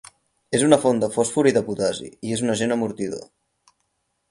És una font de fòsfor i de potassi i és un agent amortidor.